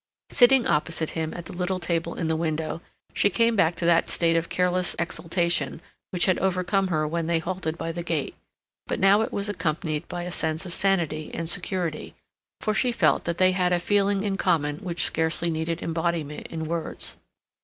Sitting opposite him at the little table in the window, she came back to that state of careless exaltation which had overcome her when they halted by the gate, but now it was accompanied by a sense of sanity and security, for she felt that they had a feeling in common which scarcely needed embodiment in words.